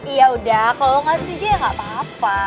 yaudah kalo lo gak setuju ya gak apa apa